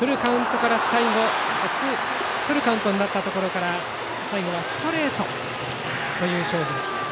フルカウントになったところから最後はストレートという勝負でした。